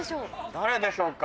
誰でしょうか？